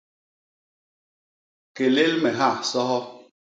Kélél me ha, soho!.